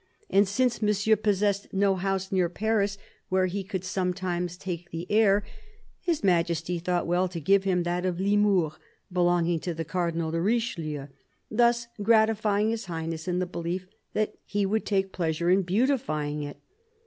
" And since Monsieur possessed no house near Paris where he could sometimes take the air, His Majesty thought well to give him that of Limours, belonging to the Cardinal de Richelieu ; thus gratifying His Highness in the belief that he would take pleasure in beautifying it.